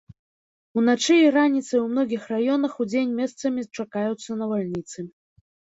Уначы і раніцай у многіх раёнах, удзень месцамі чакаюцца навальніцы.